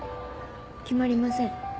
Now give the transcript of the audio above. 決まりません。